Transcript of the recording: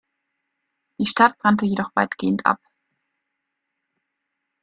Die Stadt brannte jedoch weitgehend ab.